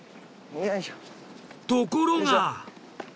ところが。